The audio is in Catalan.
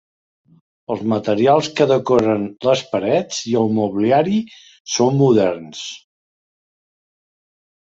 Els materials que decoren les parets i el mobiliari són moderns.